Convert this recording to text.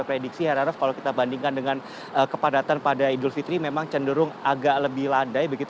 kita prediksi arus mudik sendiri kalau kita bandingkan dengan kepadatan pada idul fitri memang cenderung agak lebih ladai